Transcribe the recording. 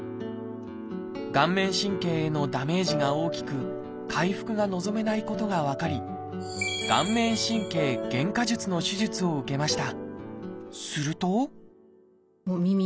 顔面神経へのダメージが大きく回復が望めないことが分かり「顔面神経減荷術」の手術を受けました。